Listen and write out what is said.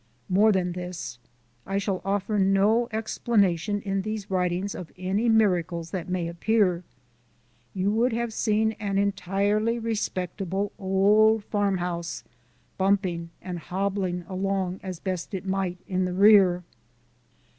More than this I shall offer no explanation in these writings of any miracles that may appear you would have seen an entirely respectable old farmhouse bumping and hobbling along as best it might in the rear.